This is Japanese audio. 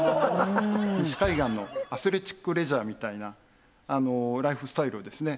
西海岸のアスレチックレジャーみたいなライフスタイルをですね